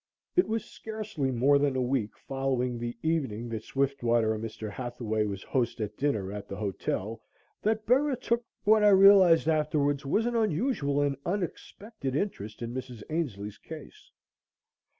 It was scarcely more than a week following the evening that Swiftwater and Mr. Hathaway was host at dinner at the hotel, that Bera took, what I realized afterwards, was an unusual and unexpected interest in Mrs. Ainslee's case.